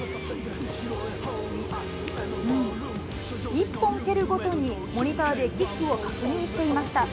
１本蹴るごとに、モニターでキックを確認していました。